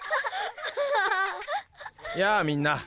やあみんな。